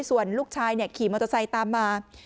ส่วนลูกชายขี่มอเตอร์ไซค์ตามมา